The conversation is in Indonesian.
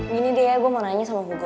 gini deh ya gue mau nanya sama hugo